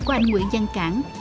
của anh nguyễn văn cảng